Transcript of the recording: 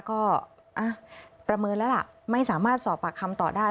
ก็ประเมินแล้วล่ะไม่สามารถสอบปากคำต่อได้